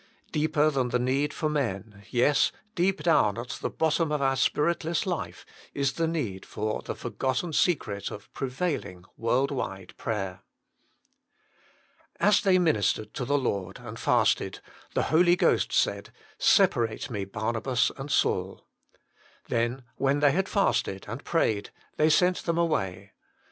Deeper than the need for men ay, deep down at the bottom of our spiritless life, is the need for the forgotten secret of prevailing, world wide prayer." "As they ministered to the Lord, and fasted, the Holy Ghost said, Separate Me Barnabas and Saul. Then when they had fasted and prayed, they sent them away.